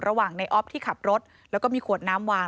ระหว่างในออฟที่ขับรถแล้วก็มีขวดน้ำวาง